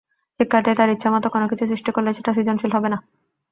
শিক্ষার্থী তার ইচ্ছেমতো কোনো কিছু সৃষ্টি করলেই সেটা সৃজনশীল হবে না।